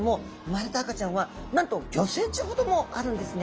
産まれた赤ちゃんはなんと５ｃｍほどもあるんですね。